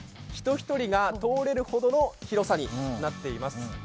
人１人が通れるほどの広さになっています。